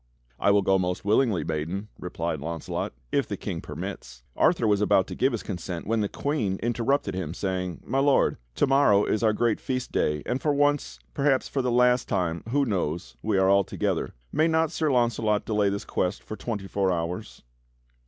"I will go most willingly, maiden," replied Launcelot, "if the King permits." Arthur was about to give his consent when the Queen inter rupted him sa^dng: "My Lord, to morrow is our great Feast day, and for once, perhaps for the last time, who knows, we are all together. May not Sir Launcelot delay this quest for twenty four hours?"